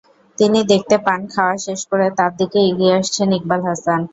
তিনি দেখতে পান, খাওয়া শেষ করে তাঁর দিকেই এগিয়ে আসছেন ইকবাল হাসান।